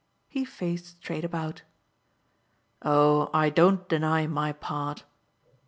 He faced straight about. "Oh I don't deny my part."